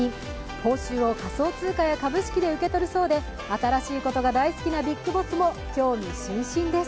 報酬を仮想通貨や株式で受け取るそうで新しいことが大好きなビッグボスも興味津々です。